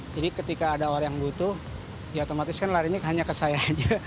jadi ketika ada orang yang butuh dia otomatis kan larinya hanya ke saya aja